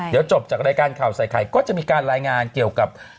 เดี๋ยวจบจากรายการข่าวใส่ไข่ก็จะมีการรายงานเกี่ยวกับ